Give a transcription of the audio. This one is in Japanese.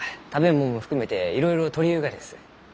もんも含めていろいろ採りゆうがです。